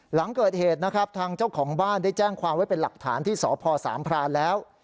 หลังเกิดเหตุนะครับทางเจ้าของบ้านได้แจ้งความไว้เป็นหลักฐานที่สพสามพรานแล้ว